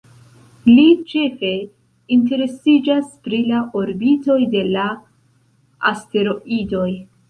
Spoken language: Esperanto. Li ĉefe interesiĝas pri la orbitoj de la asteroidoj.